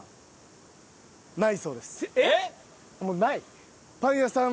えっ！？